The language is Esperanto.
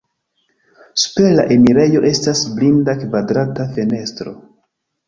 Super la enirejo estas blinda kvadrata fenestro.